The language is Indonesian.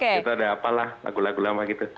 itu ada apa lah lagu lagu lama gitu